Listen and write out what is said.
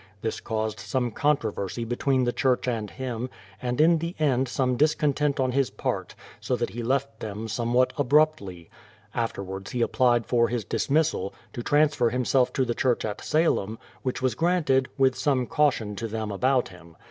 This caused some controversy between the church and him, and in the end some discontent on his part, so that he left them somewhat abruptly. Afterwards he applied for his dismis THE PLYMOUTH SETTLEMENT 249 sal, to transfer himself to the church at Salem, which was granted, with some caution to them about him.